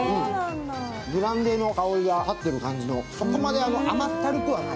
ブランデーの香りが合ってる感じの、そこまで甘ったるくはない。